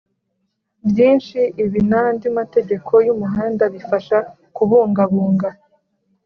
Byinshi ibi n andi mategeko y umuhanda bifasha kubungabunga